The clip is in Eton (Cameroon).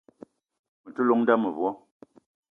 Me te llong n'da mevo.